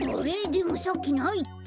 でもさっきないって。